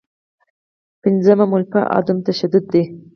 پنځمه مولفه عدم تشدد دی.